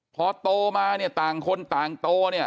พอโตมาต่างคนต่างโต